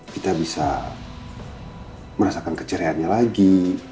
kita bisa merasakan keceriaannya lagi